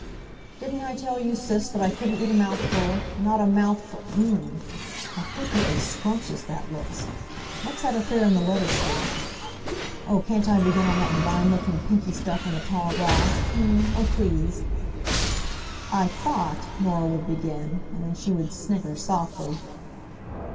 "Didn't I tell you, Sis, that I couldn't eat a mouthful? Not a mouthf um m m m! How perfectly scrumptious that looks! What's that affair in the lettuce leaf? Oh, can't I begin on that divine looking pinky stuff in the tall glass? H'm? Oh, please!" "I thought " Norah would begin; and then she would snigger softly.